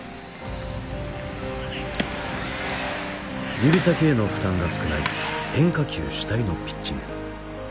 指先への負担が少ない変化球主体のピッチング。